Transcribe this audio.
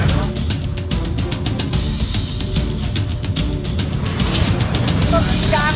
ต้องกินยากต้องกินยาก